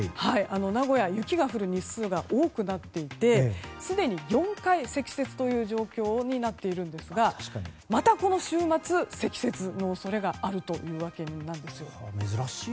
名古屋は雪が降る日数が多くなっていてすでに４回積雪の状況になっていますがまたこの週末、積雪の恐れがあるというわけです。